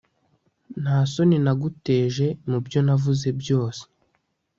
Nta soni naguteje mubyo navuze byose